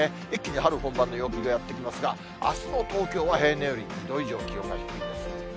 一気に春本番の陽気がやって来ますが、あすの東京は、平年より９度以上、気温が低いです。